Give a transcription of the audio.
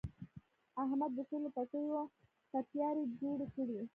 احمد د شولو پټیو تپیاري جوړې کړې.